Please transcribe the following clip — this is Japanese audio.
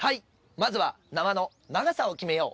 まずはなわの長さを決めよう。